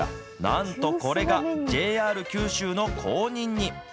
なんとこれが、ＪＲ九州の公認に。